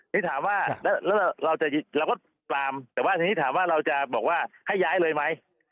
นี่ถามว่าแล้วเราก็ตามแต่ว่าทีนี้ถามว่าเราจะบอกว่าให้ย้ายเลยไหม